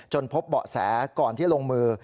พบเบาะแสก่อนที่ลงมือ